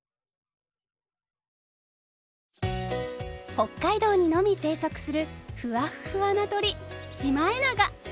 北海道にのみ生息するふわっふわな鳥シマエナガ。